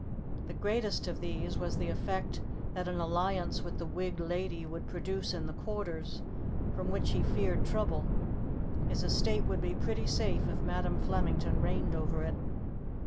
The greatest of these was the effect that an alliance with the Whig lady would produce in the quarters from which he feared trouble. His estate would be pretty safe if Madam Flemington reigned over it.